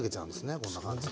こんな感じで。